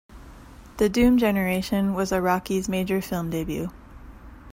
"The Doom Generation" was Araki's major film debut.